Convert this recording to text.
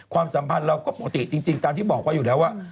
ความสัมพันธ์เราก็ปกติจริงตามที่บอกว่าอยู่แล้วว่า